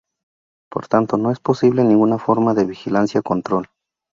Por tanto no es posible ninguna forma de vigilancia o control.